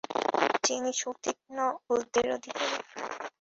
যিনি সুতীক্ষ্ণ বুদ্ধির অধিকারী।